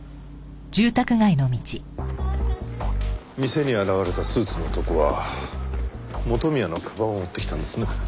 店に現れたスーツの男は元宮の鞄を追ってきたんですね。